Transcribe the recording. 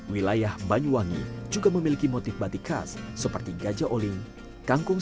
wilayah banyuwangi juga memiliki motif batik khas seperti gajah oling kangkung stinges dan paras gempal